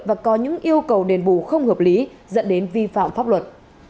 và có những yêu cầu đền bù không hợp lý dẫn đến vi phạm pháp luật